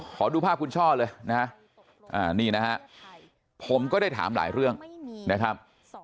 ขอดูภาพคุณช่อเลยนะฮะนี่นะฮะผมก็ได้ถามหลายเรื่องนะครับ